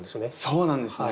そうなんですね。